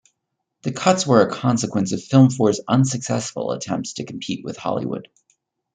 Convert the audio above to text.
The cuts were a consequence of FilmFour's unsuccessful attempts to compete with Hollywood.